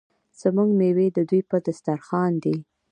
زموږ میوې د دوی په دسترخان دي.